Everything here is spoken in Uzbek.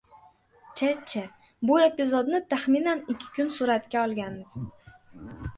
ChCh: Bu epizodni taxminan ikki kun suratga olganmiz